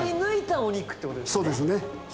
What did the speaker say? そうですね。